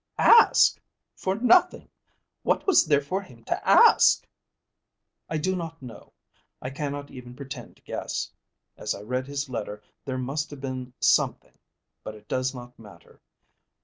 "Ask! For nothing! What was there for him to ask?" "I do not know. I cannot even pretend to guess. As I read his letter there must have been something. But it does not matter.